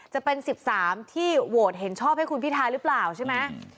จะเป็น๑๓ที่โหวตเห็นชอบให้คุณพิทาหรือเปล่าใช่ไหม